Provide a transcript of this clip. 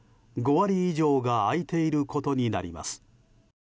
５割以上が空いていることになります。